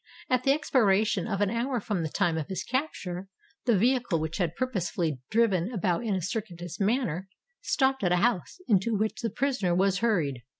At the expiration of an hour from the time of his capture, the vehicle, which had purposely driven about in a circuitous manner, stopped at a house, into which the prisoner was hurried.